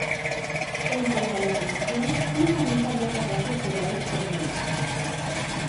En cuanto a locomoción únicamente había carruajes tirados por mulas.